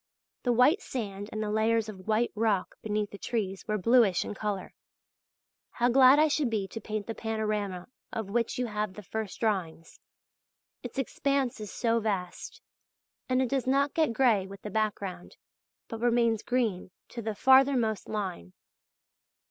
The white sand and the layers of white rock beneath the trees were bluish in colour. How glad I should be to paint the panorama of which you have the first drawings. Its expanse is so vast! And it does not get grey in the background, but remains green to the farthermost line.